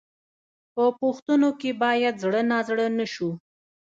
په پوښتنو کې باید زړه نازړه نه شو.